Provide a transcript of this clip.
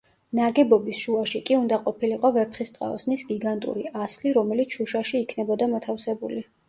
ნაგებობის შუაში კი უნდა ყოფილიყო ვეფხისტყაოსნის გიგანტური ასლი, რომელიც შუშაში იქნებოდა მოთავსებული.